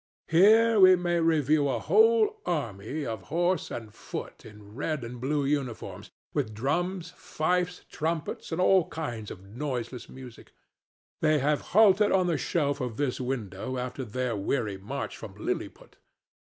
Here we may review a whole army of horse and foot in red and blue uniforms, with drums, fifes, trumpets, and all kinds of noiseless music; they have halted on the shelf of this window after their weary march from Liliput.